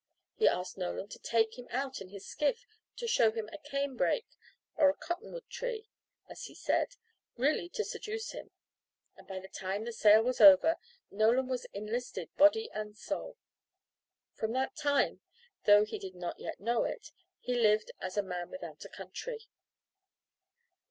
He asked Nolan to take him out in his skiff to show him a canebrake or a cottonwood tree, as he said, really to seduce him; and by the time the sail was over, Nolan was enlisted body and soul. From that time, though he did not yet know it, he lived as A MAN WITHOUT A COUNTRY.